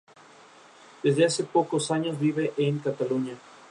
Por las mismas fechas, comenzaban las deportaciones masivas de serbios de la capital.